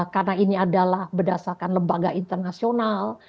karena ini adalah berdasarkan lembaga internasional